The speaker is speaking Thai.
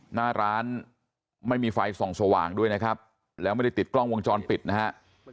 หน้าร้านไม่มีไฟส่องสว่างด้วยนะครับแล้วไม่ได้ติดกล้องวงจรปิดนะฮะ